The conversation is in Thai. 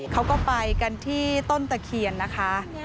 เขาก็ไปกันที่ต้นตะเคียนนะคะ